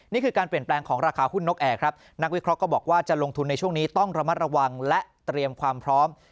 นี่คือการเปลี่ยนแปลงของราคาหุ้นนกแอร์ครับนักวิเคราะห์ก็บอกว่าจะลงทุนในช่วงนี้ต้องระมัดระวังและเตรียมความพร้อม